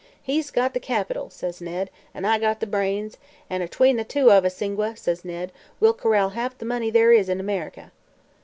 He's got the capital,' says Ned, 'an' I got the brains; an' atween the two of us, Ingua,' says Ned, 'we'll corral half the money there is in America.'